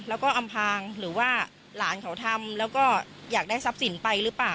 แล้วก็อำพางหรือว่าหลานเขาทำแล้วก็อยากได้ทรัพย์สินไปหรือเปล่า